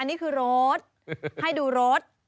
อันนี้คือรถให้ดูรถ